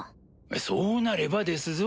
そうなればですぞ？